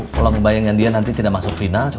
kalau ngebayangin dia nanti tidak masuk final coba